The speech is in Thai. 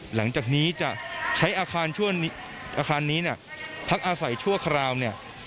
หลังจากนี้จะใช้อาคารนี้เนี่ยพักอาศัยชั่วคราวเนี่ย